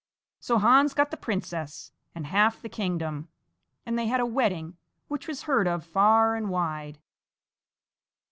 So Hans got the princess and half the kingdom, and they had a wedding which was heard of far and wide.